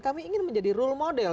kami ingin menjadi role model